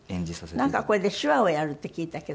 なんかこれで手話をやるって聞いたけど。